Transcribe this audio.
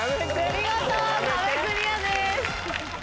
見事壁クリアです。